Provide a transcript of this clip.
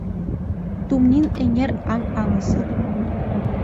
Тумнин эҥер аҥ аҥысыр.